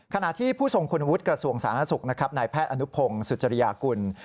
ขณะที่ผู้ทรงคุณวุฒิกระทรวงสาธารณสุขนะครับนายแพทย์อนุพงศ์สุจริยากุล